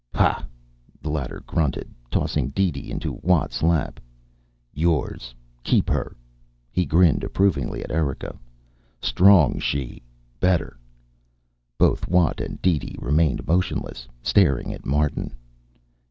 "Pah," the latter grunted, tossing DeeDee into Watt's lap. "Yours. Keep her." He grinned approvingly at Erika. "Strong she. Better." Both Watt and DeeDee remained motionless, staring at Martin.